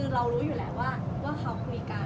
เรารู้อยู่แล้วว่าเขาคุยกัน